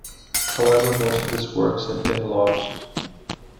However, most of his works had been lost.